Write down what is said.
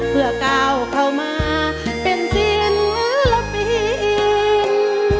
เพื่อก้าวเข้ามาเป็นสินรับมีอิน